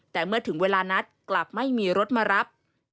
แต่เมื่อถึงเวลานัดกลับไม่มีรถมารับ